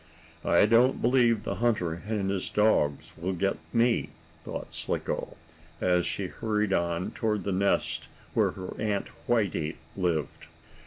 "I don't believe the hunter and his dog will get me," thought Slicko, as she hurried on toward the nest where her Aunt Whitey lived.